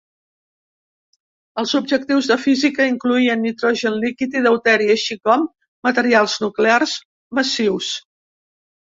Els objectius de física incloïen hidrogen líquid i deuteri, així com materials nuclears massius.